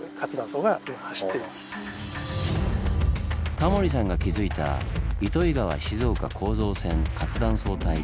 タモリさんが気付いた糸魚川−静岡構造線活断層帯。